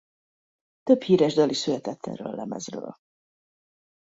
Több híres dal is született erről a lemezről.